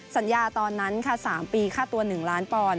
ตอนนั้นค่ะ๓ปีค่าตัว๑ล้านปอนด